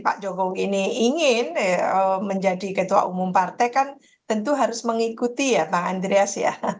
pak jokowi ini ingin menjadi ketua umum partai kan tentu harus mengikuti ya pak andreas ya